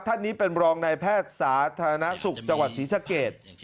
ท่านนี้เป็นรองนายแพทย์สาธารณสุขจังหวัดศรีสะเกด